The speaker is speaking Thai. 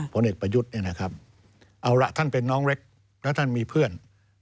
ผลเอกประยุทธ์เนี่ยนะครับเอาละท่านเป็นน้องเล็กแล้วท่านมีเพื่อน